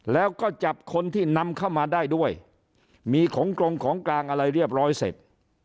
แล้วก็จับคนที่นำเข้ามาได้ด้วยมีของกรงของกลางอะไรเรียบร้อยเสร็จ